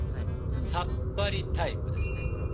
さっぱりタイプですね？